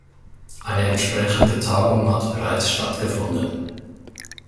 Eine entsprechende Tagung hat bereits stattgefunden.